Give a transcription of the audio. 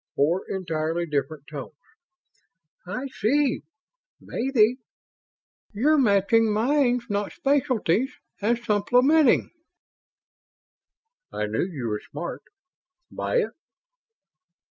Four entirely different tones. "I see ... maybe. You're matching minds, not specialties; and supplementing?" "I knew you were smart. Buy it?"